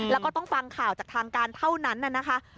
แล้วก็ต้องฟังข่าวจากทางการเท่านั้นนะคะ